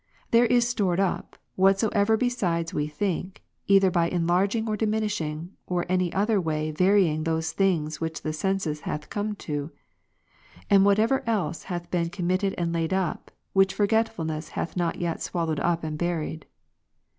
There is stored up, whatsoever besides we think, either by enlarging or diminishing, or any other way varying those things Avhich the sense hath come to ; and whatever else hath been com mitted and laid up, which forgetfulness hath not yet swal lowed up and buried.